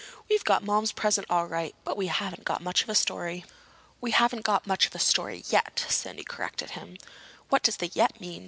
"We've got Mom's present all right, but we haven't got much of a story." "We haven't got much of a story yet," Sandy corrected him. "What does the 'yet' mean?"